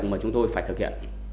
mà chúng tôi phải thực hiện